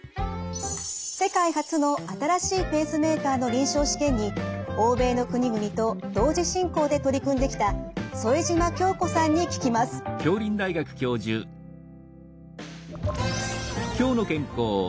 世界初の新しいペースメーカーの臨床試験に欧米の国々と同時進行で取り組んできた副島京子さんに聞きます。